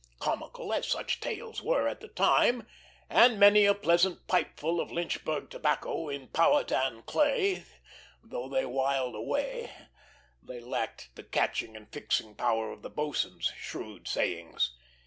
Comical as such tales were at the time, and many a pleasant pipeful of Lynchburg tobacco in Powhatan clay though they whiled away, they lacked the catching and fixing power of the boatswain's shrewd sayings.